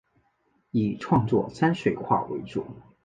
以创作山水画为主。